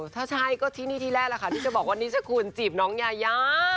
ถ้าใช่ก็ที่นี่ที่แรกล่ะค่ะที่จะบอกว่านิชคุณจีบน้องยายา